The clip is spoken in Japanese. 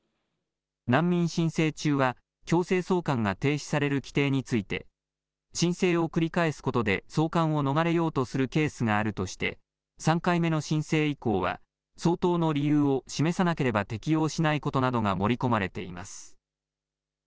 難民申請中は強制送還が停止される規定について、申請を繰り返すことで送還を逃れようとするケースがあるとして、３回目の申請以降は、相当の理由を示さなければ適用しないことなどが盛り込まれています。